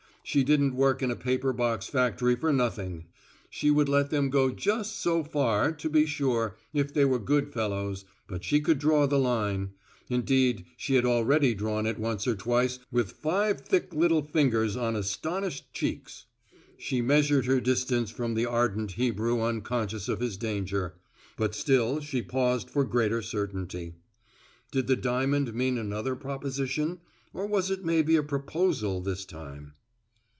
She didn't work in a paper box factory for nothing. She would let them go just so far, to be sure, if they were good fellows, but she could draw the line. Indeed she had already drawn it once or twice with five thick little fingers on astonished cheeks. She measured her distance from the ardent Hebrew unconscious of his danger, but still she paused for greater certainty. Did the diamond mean another proposition or was it maybe a proposal this time?